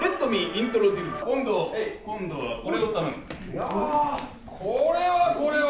いやこれはこれは。